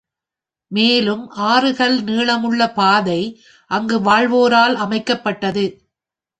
மேலும் ஆறு கல் நீளமுள்ள பாதை அங்கு வாழ்வோரால் அமைக்கப்பட்டது.